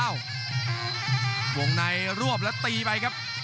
วงในรวบแล้วตีไปครับ